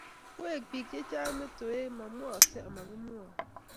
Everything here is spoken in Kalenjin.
koek bik cheyach metoek mamwaksei amakimwae